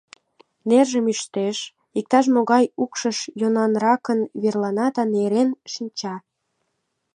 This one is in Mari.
Нержым ӱштеш, иктаж-могай укшыш йӧнанракын верлана да нерен шинча.